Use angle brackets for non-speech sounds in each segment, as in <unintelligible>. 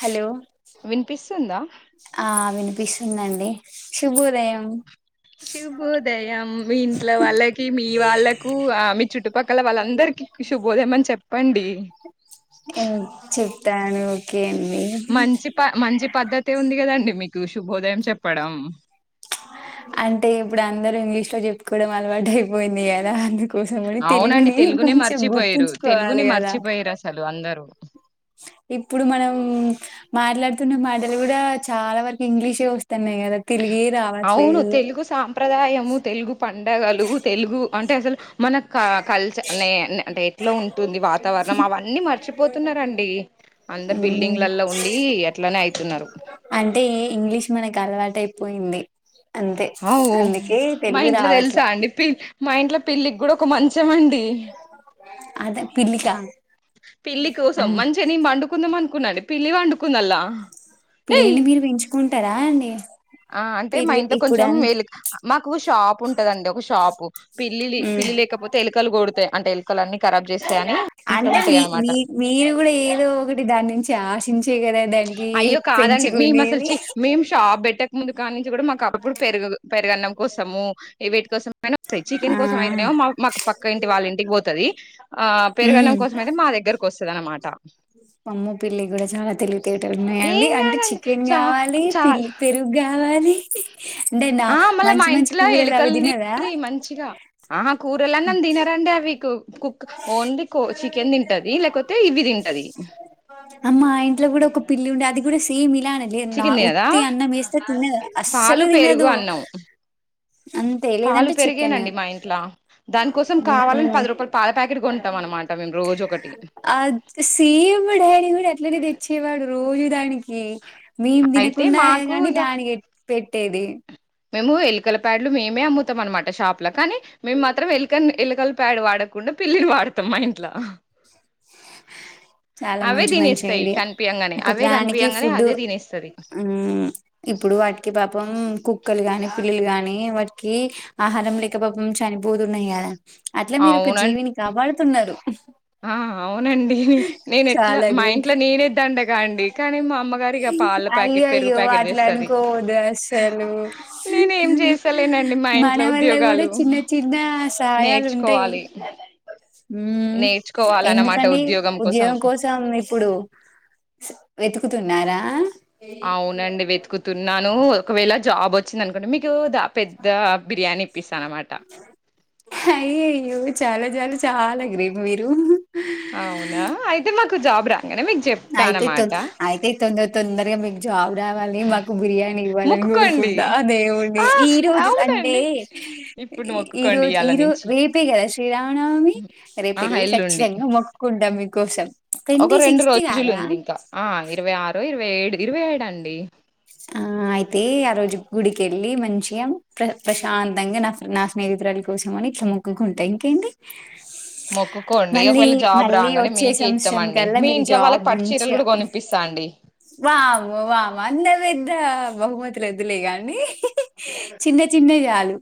Hello వినిపిస్తుందా ఆ విని పిస్తుందండి శుభోదయం శుభోదయం మీ ఇంట్లో వాళ్ళకి మీ వాళ్ళకు ఆ మీ చుట్టుపక్కల వాళ్ళందరికి శుభోదయం అని చెప్పండి హు చెప్తాను ఓకే అండి మంచి ప మంచి పద్ధతే ఉంది కదండి మీకు శుభోదయం చెప్పడం అంటే ఇప్పుడు అందరుూ ఇంగ్లీష్ లో చెప్పుకోవడం అలవాటు అయిపోయింది కదా అందుకు అవునండి తెలుగునే మర్చిపోయిర్రు గుర్తుంచుకోవాలి తెలుగుని కదా మర్చిపోయిర్రు అసలు అందరూ ఇప్పుడు మనం మాట్లాడుతున్న మాటలు కూడా చాలా వరకు ఇంగ్లీషే వస్తు అవును తెలుగు సాంప్రదాయము తెలుగు పండగలు తెలుగు అంటే అసలు మన క కల్చర్ నే న్ అంటే ఎట్లా ఉంటుంది వాతావరణం అవన్నీ మర్చిపోతున్నరండి అందరు ఉమ్, బిల్డింగ్లళ్ళ ఉండి ఎట్లనే అయి స్తున్నారు అంటే ఇంగ్లీష్ మనకు అలవాటైపోయింది అవు మా తెలుగు ఇంట్లో తెలుసా రావట్లే అండి పి మా ఇంట్లో పిల్లికి కూడా ఒక మంచమండి అదే పిల్లికా పిల్లి కోసం మంచిగా నేను పండుకుందాంమని కున్నాను పిల్లి పండుకుంది అంధుల పిల్లి నీ మీరు పెంచుకుంటారా అండి ఆ అంటే మా పిల్లి ఇంట్లో ఇప్పుడు కొంచెం అన్ వె మాకు షాప్ ఉంటదండి ఒక షాపు పిల్లి ఉమ్ పిల్లి లేకపోతే ఎలుకలు కొడతాయి అంటే ఎల్ అంటే మీ అనమాట మీ మీరు కూడా ఏదో ఒకటి దాని నుంచి ఆశించి అయ్యో కాదండి మేము అసలు మేము షాప్ పెట్ట ముందుకాని మా అప్పుడు పె పెరుగన్నం కోసము వేటి కోసం అయినా ఆ చికెన్ కోసం అయితే మా మా పక్క ఇ వాళ్ళ ఇంటికి పోతుది పెరుగన్నం కోసం అయితే మా దగ్గర వస్తుంద అనన్నమాట వామ్మో పిల్లి కూడా చాలా తెలివి తేట ఉన్నాయండి ఏం అంటే కాదండి చికెన్ చా కావాలి చాల్ పిల్లి పెరుగు కావాలి ఆది అంటే నా ఆ మళ్ళ మా మంచి మంచి ఇంట్లో కూరలు అవి ఎలుకల్ని తినదా ల తినారాండి అవి కుక్ ఓన్లీ చికెన్ తింటది లేకపోతే ఇవి తింటది అమ్మ ఇంట్లో కూడా ఒక పిల్లి ఉండే అది కూడా సేమ్ ఇలానే నా చికెన్ తినదా ఉత్తి అన్న మేస్తా తనదు అస్సలు పాలు పెరుగు తినదు అన్నం అంతే పాలు లేదంటే చికెన్ పెరిగేనండి మా ఇంట్లో దానికి కోసం కావాలని పది రూపాయలు పాాల ప్యాకట్ కొంటాం అన్నమాట అది సీడడి గూడ అట్లనే తెచ్చేవాడు రోజు దానికికి హు మేం అయితే తినకున్నా మాకు కానీ ఇక దానికి పెట్టేది మేము ఎలికల ప్యాడ్లు మే అమ్ముతాం అనమాట షాప్ కానీ మేము మాత్రం ఏలకని ఏలకల పేడ వాడకుండా పిల్లిని వాడతాం మా ఇంట్లో చాలా అవే మంచి మంచి తినేస్తాయి ఐడియా కనిపియంగానే ఒక అవే ప్రాణికి కనిపియంగానే ఫుడ్డు అదే తినేస్తది ఆ ఇప్పుడు వాటికి పాపం కుక్ కుక్కలు కాని పిల్లులు కాని వాటి క ఆహారం లేక పాపం చనిపోతున్నాయ అట్లా మీరు ఒక అవునండి జీవిని కాపడా న్నారు ఆ అవునండి నేను ఎట్లా మా గ్రేట్ ఇంట్లో నేనేద్దండగా అండి కానీ మా అమ్మగారిగా పాల ప్యాకెట్ పెరుగు అయ్యయ్యో ప్యాకెట్ అట్లా చేస్తుంది అనుకోవద్దు అసలు నేనే ఏం చేస్తలేనండి మా మన ఇంట్లో వల్ల కూడా ఉద్యోగాలు చిన్న చిన్న నేర్చుకోవాలి ఉ ఎందుకండి ఉద్యోగం కోసం ఇప్పుడు వెతుకుతున్నారా అవునండి వెతుకుతుూ న్నాను ఒకవేళ జాబ్ వచ్చింది అనుకోండి మీకు పెద్ద బిర్యానీ తనమాట అయ్య అయ్యో చాలా చాలా చాలా గ్రేట్ మీరు కు జాబ్ రా ఆయతేయితుంది ఆయతయితుంద తొందరగా మీకు జాబ్ రావాలి మాకు బిర్యానీ ఇవ్వాలని మొక్కుకోండి కోరుకుంటా దేవుడి ఆ ఈ రోజు అంటే అవునండి ఇప్పుడు ఈ మొక్కుకోండి రోజు ఇయ్యాల ఈ రోజ నుంచి రేపే కదా శ్రీరామనవమి రేపూ ఆహా వెళ్ళి ఎల్లుండి ఖచ్చితంగా మొక్కుకుంట కోసం ట్వంటీ సిక్స్ రూజులు ఉంది ఇంకా ఇరవై ఆరు ఇరవై ఇరవై ఏడు ఇరవై ఏడు అండి ఆ అయితే ఆ రోజు గుడికి వెళ్ళి మంచిగా ప్ర ప్రశాంతంగా నా నా స్నేహితురాాలి కోసమని ఇట్లా మొగ్గుకుంటా ఇంకేంటి మొక్కుకోండి మళ్ళీ ఒకవేళ జాబ్ మళ్ళీ రాగానే వచ్చే మీకే సంవత్సరం ఇస్తామండి కల్లా మీ మీరు ఇంట్లో వాళ్ళకి జాబ్ పట్టు చీరలు మంచిగా కూడా కొనిపిస్తా అండి వావ వామ అంద పెద్ద బహుమతులు ఓద్దులే కాగానీ చిన్న చిన్నవీ చాలు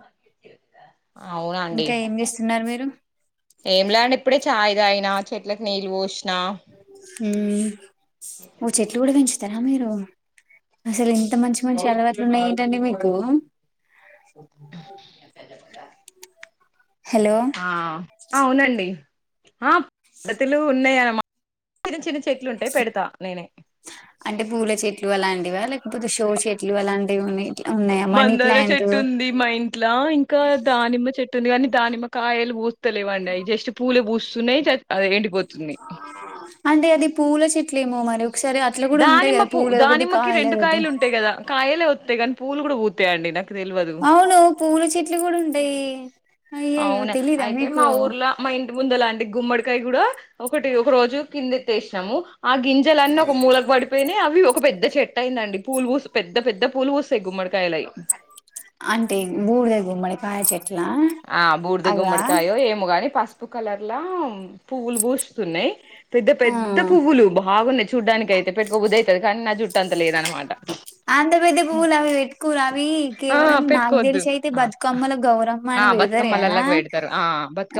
మాదా అవునా అండి ఇంకా ఏం చేస్తున్నారు మీరు ఏం లా అండి ఇప్పుడే చాయ్ తగిన చెట్లకు నీళ్ళి పోసిన హ్మ్మ్ నువు చెట్లు కూడా పెంచి ఇార మీరు అసలు ఇంత మంచి మంచి అలవాట్లు ఉన్నాయి ఏంటండి మీకు ంటా హలో ఆ అవునండి ఆ దతులు ఉన్నాయనమాట చిన్న చిన్న చెట్లుంటే పెడతా నేనే అలాంటి వా లేక పోతే షో చెట్లు అలాంటివిఇంట్లో ఉన్నాయా మనీ మందార ప్లాంట్ చెట్టు ఉంది ది కాని దానిమ్మ కాయలు పూస్తలేవండి అవి జస్ట్ పూలు పూస్తున్నాయి ఎండిపోతు న్నాయ్ అంటే అది పూల చెట్లేమో మరి ఒకసారి అట్లా కూడా ఉంటాయి దానిమ్మ కదా పూ పూలు ఒకటి దానిమ్మకి రెండు ఒకటి కాయలు ఉంటాయి కదా కాయలే వత్తయి గానీ పూలు కూడా పూతాయండి నాకు తెల్వదు అవును పూలు చెట్ గుడా ఉంటయి అయ్యయ్యో తెలీదా మీకు ముందులాంటి గుమ్మడికాయ కూడా ఒకటి ఒక రోజు కిందె తెసినాము ఆ గింజలన్నీ ఒక మూలక పడిపోయినాయి అవి ఒక పెద్ద చెట్ అయిందండి పూలుపూసి పెద్ద పెద్ద పూలు పూస్తయ్ గుమ్మడికాయలయి అంటే బూడిద గుమ్మడి కాయ చెట్టు ఆ బూడిద గుమ్మడికాయో ఏమో గాని పస్ ఉప్పు కలర్లా పువ్వులు పూస్తున్నయ్ పెద్ద ఆ పెద్ద పువ్వులు బాగున్నాయి చూడ్డానికి అయితే పెట్టుకోబుద్ది అయితది కానీ నా జుట్టంత లేదనమాట అంత పెద్ద పువ్వులు అవి పెట్టుకొరు అవి ఆ కేవలం నాగ్ పెట్టుకోవద్దు తెలిసి అయితే ఆ బతుకమ్మల గౌరమ్మ ఆ అని పెడతారు కదా బతుకమ్మలలాకి పెడతారు ఆ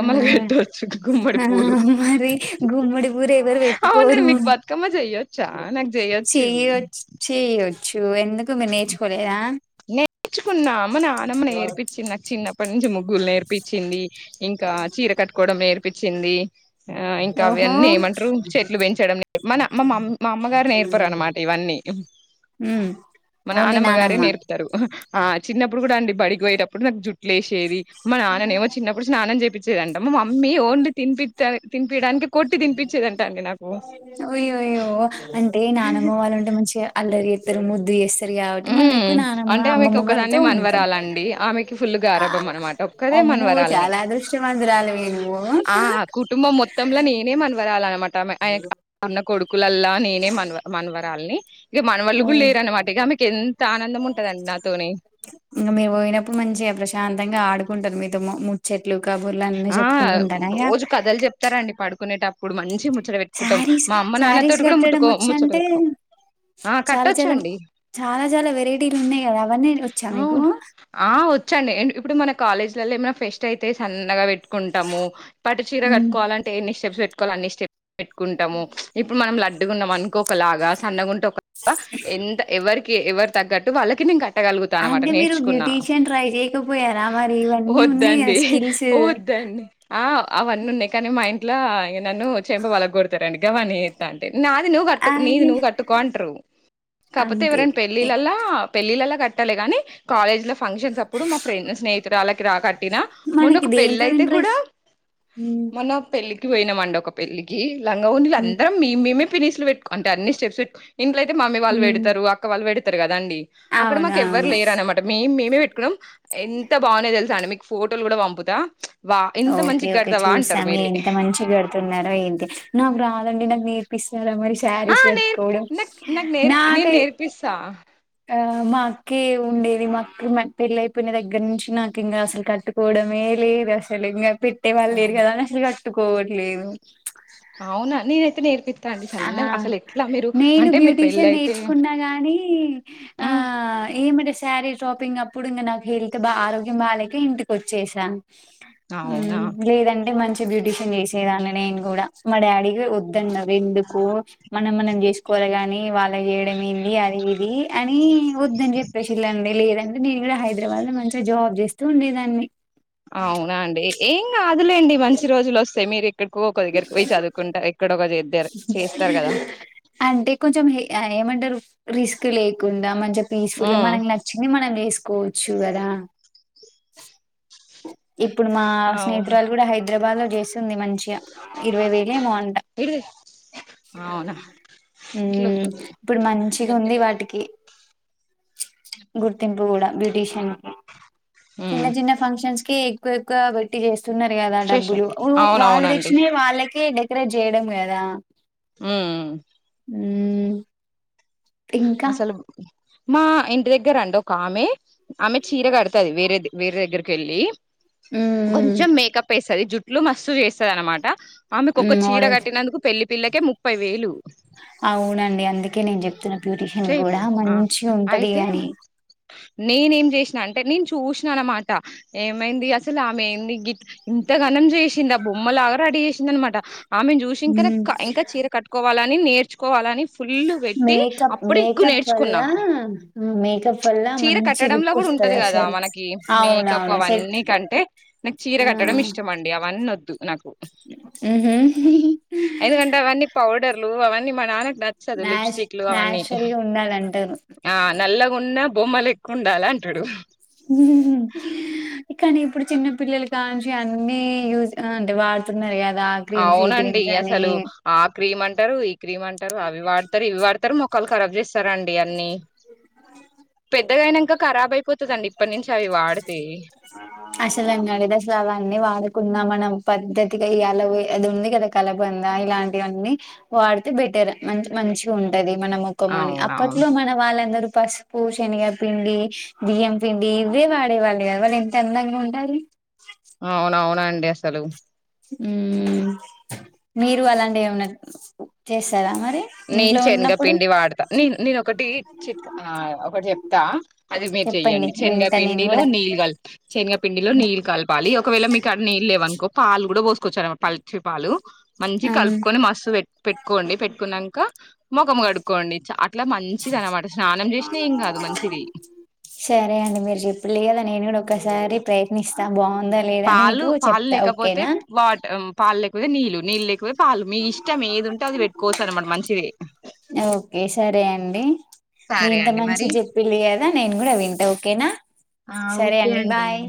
ఆ పెట్టవచ్చు గుమ్మడి ఆ పూలు మరి గుమ్మడి పూలు అవునండి మీకు బతుకమ్మ చెయ్యొ చేయొచ్ చేయు వచ్చు ఎందు నేర్చుకున్నా నానమ్మ నేర్పించి నాకు చిన్నప్పటి నుంచి ముగ్గులు నేర్పి ఇచ్చింది ఇంకా చీర కట్టుకోవడం నేర్పించింది ఆ ఇంకా ఓహో అవన్నీ ఏమంటారు చెట్లు పెంచడం మన మా మా అమ్మగారు నేర్పరు అన్నమాట ఇవన్నీ ఉమ్ మన ఓన్లీ నానమ్మగారే నానమ్మ నేర్పుతరు ఆ చిన్నప్పుడు కూడా అండి బడికి పోయేటప్పుడు నాకు జుట్లేసేది మా నాన్న నేమో చిన్నప్పుడు స్నానం చెపిచేదంట మా మమ్మీ ఓన్లీ తినిపి డైరెక్ట్ ఇన్ అయ్యాయ్యో అంటే నానమ్మ వాళ్ళు ఉంటే మంచిగా అల్లరి ఇద్దరు ముద్ కాబట్టి మనం మ్మ్ ఎక్కువ నానమ్మ అంటే ఆమెకి అమ్మమ్మమ్మలతో ఒక్కదాన్నే ఉంటాం మనవరాలండి ఆమెకి ఫుల్ గారాబం అనమాట ఒక్కదే అమ్మో మనవరాల్ని చాలా అదృష్ట వంతురాలివి నువ్వు వరాలనమ ట క్కులల్లా నేనే మన్వ మన్వరాలని ఇక మనవళ్ళు కూడా హ్మ్. లేరునన్నమాటు ఇగ ఆమె ఇంగ మీ పోయినప్పుడు మంచిగా ప్రశాంత ఇంగ ఆడుకుంటాది మీతో ముచ్చట్లు కబుర్లు అన్నీ ఆ చెప్పుకుంటూ ఉంటారు అయ్యా రోజు కథలు చెప్తారండి పడుకునేట ఇప్పుడు మంచి ముచ్చట పెట్టుకుంటాం శారీస్ మా అమ్మ శారీస్ నాన్నతోటి కూడా కట్టడం ముట్టుకో వచ్చా ముచ్చట అంటే పెట్టుకోం ఆ చాలా చాలా కట్టొచ్చండి చాలా చాలా వెరైటీలు ఉన్నాయి కదా అవన్నీ వచ్చా మీకు అవును కాలేజ్ల ఏమైనా ఫెస్ట్ అయితే సన్నగా కుంటాము పట్టు చీర హ్మ్. కట్టుకోవాలంటే ఎన్ని స్టెప్స్ పెట్ కలాన్ని స్టెప్ పెట్టుకుంటాము ఇప్పుడు మనం లడ్ లడ్డుగన్న అనుకో ఒక లాగా సన్నగుంటే ఎంత ఎవరికి ఎవరి తగ్గటు వాళ్ళకె నేను కట్ అంటే మీరు బ్యూటీషియన్ ట్రై చేయకపోయారా మరి ఇవన్నీ ఉన్నాయి కదా వద్దండి స్కిల్స్ వద్దండి ఆ అవన్నీ ఉన్నాయి కానీ మా ఇంట్లో ఇ నన్ను చేంప పల కొడతారండి గవన్నీ చేతా నాది నువ్వు కట్టు నీది అయి నువ్వు కట్టుకో అంటారు కాకపోతే అంతే. ఎవరైనా ఎ పెళ్ళిలలా పెళ్ళిలలా కట్ ట్టలే కాని కాలేజ్ లో ఫంక్షన్స్ అప్పుడు మా ఫ్రెం స్నే చుట్టాలకి రా కం కట్టిన మొన్న మనకి ఒక పెళ్లి దేంట్లో అయి అంటే గూడా ఇంట్రెస్ట్ హ్మ్. మొన్న పెళ్లి కి కి పోయినామండి ఒక పెళ్లికి లంగ వోణిలు హ్మ్. అందరం మీ మీమే పినిస్లు పెటు అంట అన్ని స్టెప్స్ పెట్టుకో ఇంట్లో అయితే మమ్మీ వాళ్ళు హ్మ్. పెడతారు అక్క వాళ్ళు పెడ కదండి అక్కడ అవును. మాకు ఎవ్వరు అవును. లేరు అనమాట మే మేమే పెట్టుకున్నం ఎంత బాగున్నాయ్ తెలుసా అండి మీకు ఫోటోలు కూడా పంపుతా వా ఇంత ఓకే మంచిగా ఓకే కడతావా అంటారు చూసాం మీరే ఎంత మంచి గడుతున్నారో ఏంటి నాకు రా అండి నాకు నేర్పిస్ చాలా మరి ఆ శారీస్ నేర్ కట్టుకోవడం నాకు నాకు నేర్పి నేను నాకై నేర్పిస్తా ఆ మా అక్కే ఉండేది మా అక్క పెళ్ళ అయిపోయిన దగ్గర నుంచి నాకి ఇంగా అసలు కట్టుకోవడమే లేదు అసలు ఇంగ పెట్టే వాళ్లేేరు అవును కదా అని అసలు కట్ కట్టుకోవట్లేదు అవునా నేనయితే నేర్ అహ నేను అంటే మీరు పెళ్ళి బ్యూటీషియన్ అయితే నేర్చుకున్నా గాని ఆ ఈమె డ్రస్ శారీ షాపింగ్ అప్పుడు ఇంగ నాకు హెల్త్ బా ఆరోగ్యం బాగాలేక ఇంటికి వచ్చేసా అవునా లేదంటే మంచి బ్యూటీషియన్ చేసేదాన్ని నేను కూడా మా డాడి గూడ వద్దండం వెందుకు మనం మనం చేసుకోవాలి గాని ఇ వాల్ వాల్లకు చేయడం ఏంది అది ఇది అని వద్దని చెప్పేసిల్లండి లేదం నేను గూడా హైదరాబాద్ లో మంచిగా జాబ్ జేస్తూ ఉండేదాన్ని అవునా అండి ఏం కాద్ దులేండి మంచి రోజులు వస్తాయి మీరు ఎక్కడికో ఒక దగ్గర పోయి చదువుకుంట ఎక్కడో <unintelligible> చేస్తారు కదా అంటే కొంచెం అ ఏమన్ రిస్క్ లేకుండా మంచి పీస్ ఫుల్ గా హ్మ్ మనకి నచ్చింది మనం చేసుకోవచ్చు గదా ఇప్పుడు మా అవు స్నేహితురాలు కూడా హైదు హైదరాబాద్ జేసి స్తుంది మంచిగా ఇరవై వేలో ఏమో అంట ఇడిది అవునా ఉ ఇట్లొత్తది ఇప్పుడు మంచిగా ఉంది వాటికి గుర్తింపు కూడా బ్యూటీషియన్ చిన్న హ్మ్ చిన్న ఫంక్షన్స్ కి ఒక్కొక్క బట్టి చేస్ న్నారు కదా డబ్బులు చేసాకు వాళ్ళు అవునవునండి తెచ్చినవి వాళ్ళకే డె ఇక్కడ చేయడం కదా హ్మ్ ఉమ్ ఇంకా అసలు మా ఇంటి దగ్గర రండి ఒక ఆమె ఆమె చీర కడుతది వేరే వేరే దగ్గరకి వెళ్ళి ఉమ్ కొంచెం మేకప్ వేసది జుట్ ఇట్లు మస్తు చేస్తద అనమాట ఆమెకు ఉమ్ ఒకక్క చీర మోడల్స్ కట్టినదుకు పెళ్లి పిల్లకే ముప్పై వేలు బ్యూటిషియన్ కూడా చేయిపో మంచి ఉంటది అని నేనే ఏం చేసినా అంటే నేను చూసిన అనమాట ఏమైంది అసలు ఆమె ఏంది గిట్ ఇంత ఘనం చేసింది ఆ బొమ్మలాగా రెడీ చేసింది అనమాట ఆమెను చూసి ఇంక ఉమ్ ఇంకా చీర కట్టుకోవాలని నేర్చుకోవాలని ఫుల్ వెట్టి మేకప్ అప్పు ఇప్పుడు ఎక్కువ మేకప్ వల్ల నేర్చుకున్నాను మేకప్ వల్ల చీర మంచి కట్టడంలో లుక్ కూడా వస్తది ఉంటది కదా అసలు మనకి మేకప్ అవునవును సెట్ అవన్నీ కంటే నాకు చీర కట్టడం ఇష్టం అండి అవన్నీ వ నా ఉ హు ఎందుకంటే అవన్నీ పౌడర్లు అవన్నీ మా నాన్న నచ్చదు లిప్స్టిక్లు అవన్నీ చరిగి ఉండాలంటారు నల్లగాన్నా బొమ్మలు ఎక్కువ ఉండాలి అంటాడు కానీ ఇప్పుడు చిన్న పిల్లలు కా నుంచి అన్ని యూ అంటే వాడుతున్నారు కా అవునండి అసలు ఆ క్రీమ్ అంటారు ఈ క్రీమ్ అంటారు అవి వాడతారు ఇవి వాడతారు మొ కల్ కరాబ్ రండి అన్ని పెద్ద ఖరాబ్ అయిపోతుందండి ఇప్పటి నుంచి అవి వాడితే అసలు అన్నాడది అసలు అవన్నీ వాడుకున్నామ మన పద్ధతిగా అలా అది ఉంది కదా కలబంద ఇలాంటివన్నీ వాడితే బెటర్ మంచి మంచిగా ఉంటది <unintelligible> మన ముఖమని అవునవును అప్పట్లో మన వాళ్ళందరూ పసుపు శనగపిండి బియ్యం పిండి ఇవే వాడి ఇవాళ ఎవరు ఇంత అందంగా ఉండాలి అండి అస్సలు ఊ మీరు అలాంటి ఏమనా చేసారామ నేను శనగపిండి వాడతా నేను నేను ఒకటి చిట్ ఒకటి చెప్తా అది మీరు చెప్పండి చెయ్యండి వింటా నేను శనగపపిన్డిలో కూడా నీళ్లు కల శనగపిండిలో నీళ్ కలపాలి ఒకవేళ మీకు అడ నీళ్ళు లేవనుకో పాలు కూడా పోసుకొచ్చార పల్చి పాలు మంచి ఆ కలుపుకొని మస్తు పెట్ కొండి పెట్టుకున్నాం ముఖం కడుక్కకోండి చాలు మంచిది సరే అండి మీరు చెప్పులే కదా నేను కూడా ఒకసారి ప్రయత్నిస్తా బావు పాలు పాలు లేకపోతే వాట పాలు లేకపోతే నీళ్ళు నీళ్ళు లేకపొ మంచిది ఓకే సరే అండి మీ సరే ఇంత అండి మంచి మరి చెప్పిలి కదా నేను కూడా వింటా ఓకేనా ఆ సరే ఓకే అండి బాయ్